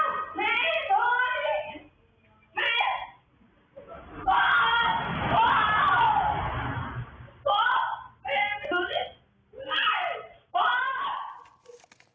คนไหนหน่อยไปในข้างหน้าอย่างนี้